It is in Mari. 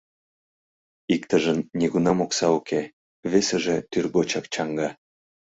Иктыжын нигунам окса уке, весыже тӱргочак чаҥга.